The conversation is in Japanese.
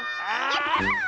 やった！